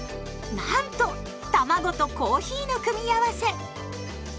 なんとたまごとコーヒーの組み合わせ！